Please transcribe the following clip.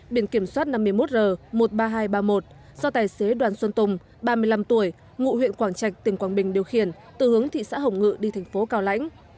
biển kiểm soát năm mươi một r một mươi ba nghìn hai trăm ba mươi một do tài xế đoàn xuân tùng ba mươi năm tuổi ngụ huyện quảng trạch tỉnh quảng bình điều khiển từ hướng thị xã hồng ngự đi thành phố cao lãnh